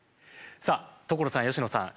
さあ所さん佳乃さん。